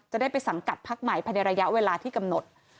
ได้ไปสังกัดพักใหม่ภายในระยะเวลาที่กำหนด